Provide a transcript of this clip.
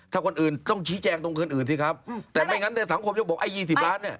ถ้าคนอื่นต้องชี้แจงตรงคืนอื่นสิครับแต่ไม่งั้นเนี่ยสังคมจะบอกไอ้๒๐ล้านเนี่ย